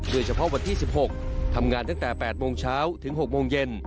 วันที่๑๖ทำงานตั้งแต่๘โมงเช้าถึง๖โมงเย็น